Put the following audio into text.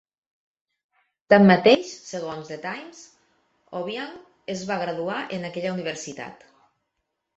Tanmateix, segons "The Times", Obiang es va graduar en aquella universitat.